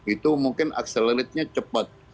itu mungkin akseleratnya cepat